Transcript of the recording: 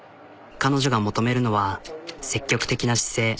彼女が求めるのは積極的な姿勢。